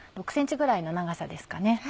６ｃｍぐらいの長さですかね。